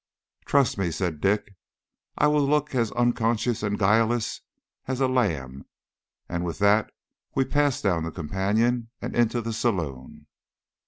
"Trust me," said Dick; "I'll look as unconscious and guileless as a lamb;" and with that we passed down the companion and into the saloon.